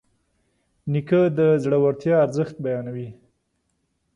نیکه د زړورتیا ارزښت بیانوي.